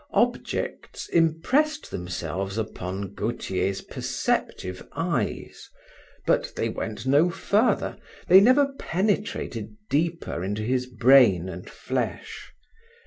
Objects impressed themselves upon Gautier's perceptive eyes but they went no further, they never penetrated deeper into his brain and flesh.